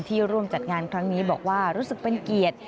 ร่วมจัดงานครั้งนี้บอกว่ารู้สึกเป็นเกียรติ